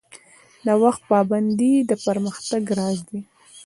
د وخت پابندي د پرمختګ راز دی